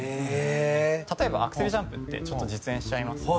例えば、アクセルジャンプってちょっと実演しちゃいますね。